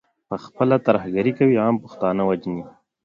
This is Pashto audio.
پخپله ترهګري کوي، عام پښتانه وژني.